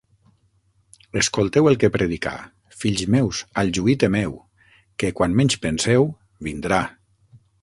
Escolteu el que predicà: Fills meus, al juí temeu, que, quan menys penseu, vindrà.